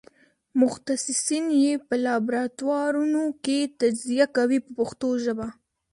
متخصصین یې په لابراتوارونو کې تجزیه کوي په پښتو ژبه.